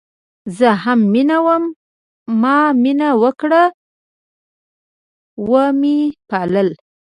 زه هم میینه وم ما مینه وکړه وه مې پالل